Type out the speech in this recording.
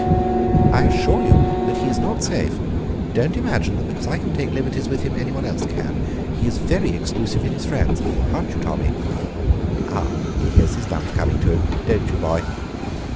"I assure you that he is not safe. Don't imagine that because I can take liberties with him anyone else can. He is very exclusive in his friends aren't you, Tommy? Ah, he hears his lunch coming to him! Don't you, boy?"